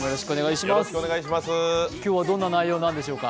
今日はどんな内容なんでしょうか？